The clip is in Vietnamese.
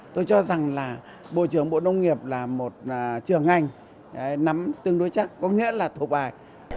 tôi cho rằng là bộ trưởng bộ nông nghiệp là một trường ngành nắm tương đối chắc có nghĩa là thuộc bài